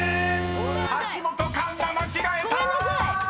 ［橋本環奈間違えた！］